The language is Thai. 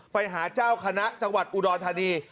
ไปหาเจ้าคณะจังหวัดอุดรธานี